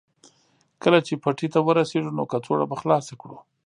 کله چې پټي ته ورسېږو نو کڅوړه به خلاصه کړو